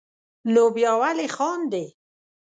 نو بیا ولې خاندې.